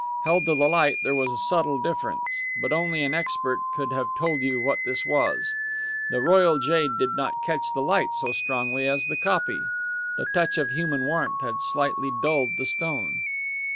Held to the light, there was a subtle difference; but only an expert could have told you what this difference was. The royal jade did not catch the light so strongly as the copy; the touch of human warmth had slightly dulled the stone.